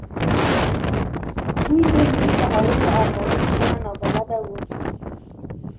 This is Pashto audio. دوی د ملي تحول له ارمانونو سره نابلده وو.